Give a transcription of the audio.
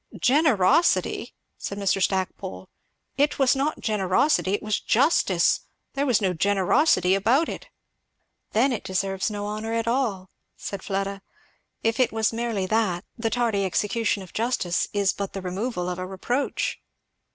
"Generosity!" said Mr. Stackpole, "it was not generosity, it was justice; there was no generosity about it." "Then it deserves no honour at all," said Fleda, "if it was merely that the tardy execution of justice is but the removal of a reproach."